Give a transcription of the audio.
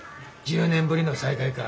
１０年ぶりの再会か。